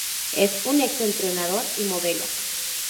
Es un ex entrenador y modelo.